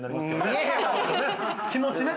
気持ちね。